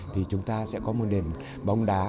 thì chúng ta sẽ có một nền bóng đá